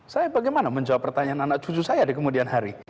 saya bagaimana menjawab pertanyaan anak cucu saya di kemudian hari